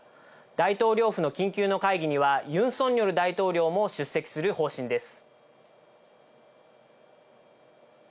大統領府の緊急の会議にはユン・ソンニョル大統領も出席する方針です。